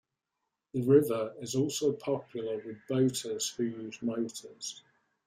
The river is also popular with boaters who use motors.